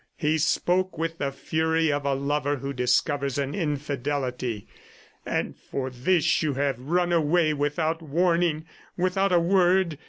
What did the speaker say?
He spoke with the fury of a lover who discovers an infidelity. "And for this thing you have run away without warning, without a word!